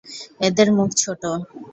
এদের মুখ ছোট।